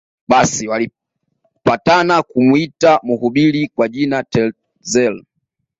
Basi walipatana kumuita mhubiri kwa jina Tetzel